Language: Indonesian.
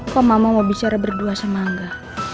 kok mama mau bicara berdua sama enggak